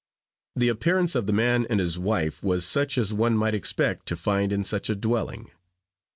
The appearance of the man and his wife was such as one might expect to find in such a dwelling.